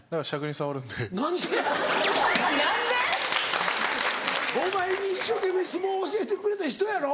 何で⁉お前に一生懸命相撲を教えてくれた人やろ？